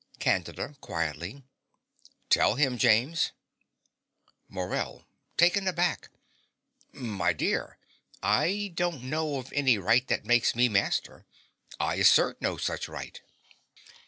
CANDIDA (quietly). Tell him, James. MORELL (taken aback). My dear: I don't know of any right that makes me master. I assert no such right.